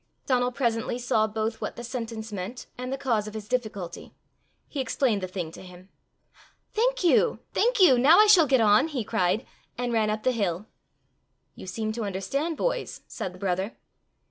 Donal presently saw both what the sentence meant and the cause of his difficulty. He explained the thing to him. "Thank you! thank you! Now I shall get on!" he cried, and ran up the hill. "You seem to understand boys!" said the brother.